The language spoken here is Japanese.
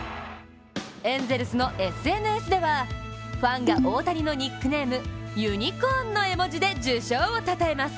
エンゼルスのＳＮＳではファンが大谷のニックネームユニコーンの絵文字で受賞をたたえます。